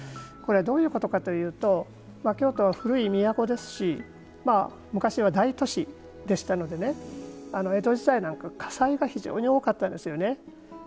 どういうことかというと京都は古い都ですし昔は大都市でしたので江戸時代なんか火災が非常に多かったですよね。